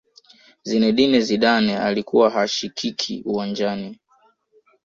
zinedine zidane alikuwa hashikiki uwanjani